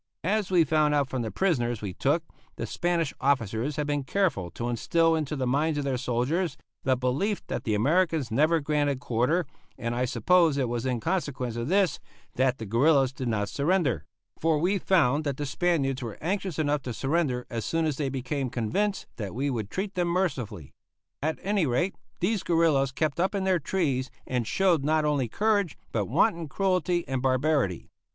As we found out from the prisoners we took, the Spanish officers had been careful to instil into the minds of their soldiers the belief that the Americans never granted quarter, and I suppose it was in consequence of this that the guerillas did not surrender; for we found that the Spaniards were anxious enough to surrender as soon as they became convinced that we would treat them mercifully. At any rate, these guerillas kept up in their trees and showed not only courage but wanton cruelty and barbarity.